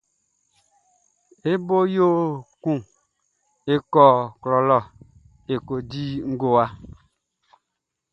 E bo yo kun e kɔ klɔ lɔ e ko di ngowa.